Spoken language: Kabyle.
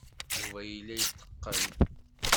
Yuba yella yetteqqen.